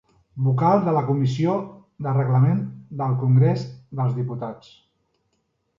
Vocal de la Comissió de Reglament del Congrés dels Diputats.